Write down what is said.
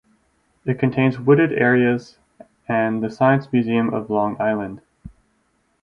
It contains wooded areas and the Science Museum of Long Island.